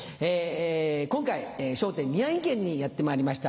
今回『笑点』宮城県にやってまいりました。